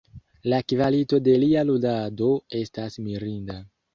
La kvalito de lia ludado estas mirinda.